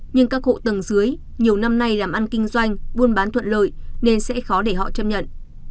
nhưng các hộ tầng dưới nhiều năm nay làm ăn kinh doanh buôn bán thuận lợi nên sẽ khó để họ chấp nhận